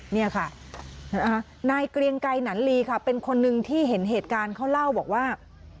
นี่ค่ะนายเกรียงไกรหนันลีค่ะเป็นคนนึงที่เห็นเหตุการณ์เขาเล่าบอกว่า